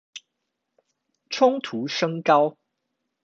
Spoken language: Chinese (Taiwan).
衝突升高